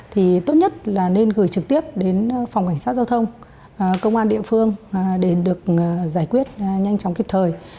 thì tốt nhất là nên gửi trực tiếp đến phòng cảnh sát giao thông công an địa phương để được giải quyết nhanh chóng kịp thời